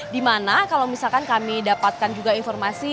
di mana kalau misalkan kami dapatkan juga informasi